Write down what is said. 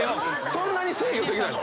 そんなに制御できないの？